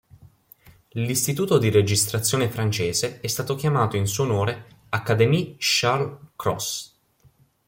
L'istituto di registrazione francese è stato chiamato in suo onore Académie Charles-Cros.